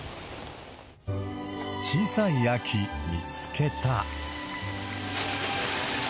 小さい秋、見つけた。